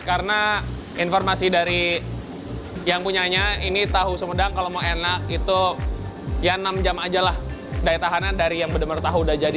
karena informasi dari yang punyanya ini tahu semedang kalau mau enak itu ya enam jam aja lah daya tahanan dari yang benar benar tahu udah jadi